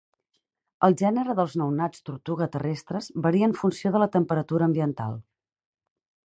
El gènere dels nounats tortuga terrestres varia en funció de la temperatura ambiental.